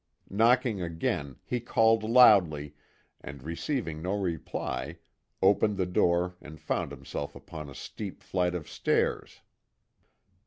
Knocking again, he called loudly, and receiving no reply, opened the door and found himself upon a steep flight of stairs.